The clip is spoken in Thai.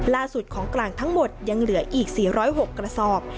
ของกลางทั้งหมดยังเหลืออีก๔๐๖กระสอบ